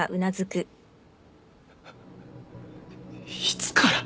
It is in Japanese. いつから？